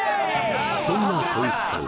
そんな小雪さん